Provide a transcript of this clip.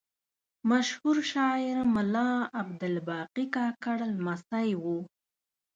مشهور شاعر ملا عبدالباقي کاکړ لمسی و.